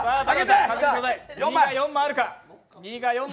２が４枚あるか。